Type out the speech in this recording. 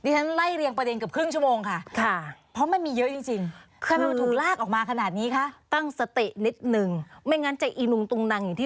ดิฉันไล่เรียงประเด็นเกือบครึ่งชั่วโมงค่ะค่ะเพราะมันมีเยอะจริง